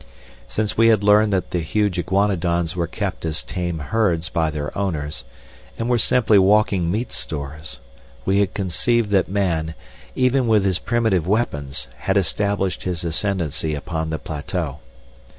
Since we had learned that the huge iguanodons were kept as tame herds by their owners, and were simply walking meat stores, we had conceived that man, even with his primitive weapons, had established his ascendancy upon the plateau.